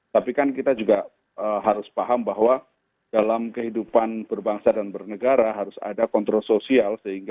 tapi kan kita juga harus paham bahwa dalam kehidupan berbangsa dan bernegara harus ada kontrol sosial